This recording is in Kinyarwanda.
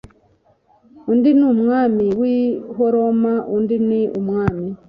Undi ni umwami w i horuma undi ni umwami